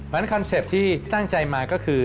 เพราะฉะนั้นคอนเซ็ปต์ที่ตั้งใจมาก็คือ